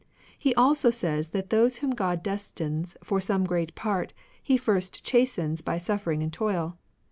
He also says that those whom God destines for some great part. He first chastens by suffering and toil.